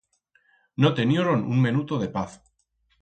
No tenioron un menuto de paz.